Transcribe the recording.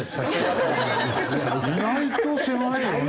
意外と狭いよね。